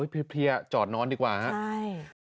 พี่เบียกจอดนอนดีกว่าฮะใช่